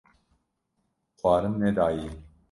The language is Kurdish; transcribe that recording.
xwarin nedayê.